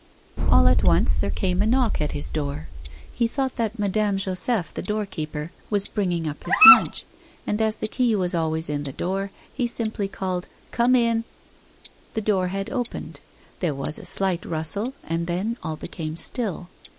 All at once there came a knock at his door. He thought that Madame Joseph, the doorkeeper, was bringing up his lunch, and as the key was always in the door, he simply called: 'Come in!' The door had opened; there was a slight rustle, and then all became still.